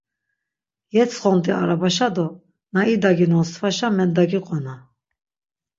Yetsxont̆i arabaşa do na idaginon svaşa mendagiqona.